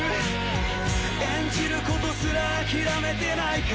演じることすら諦めてないか？